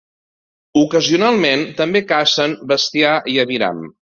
Ocasionalment també cacen bestiar i aviram.